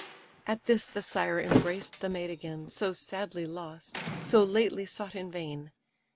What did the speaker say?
At this, the sire embraced the maid again, So sadly lost, so lately sought in vain.